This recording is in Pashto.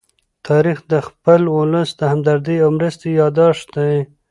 تاریخ د خپل ولس د همدردۍ او مرستې يادښت دی.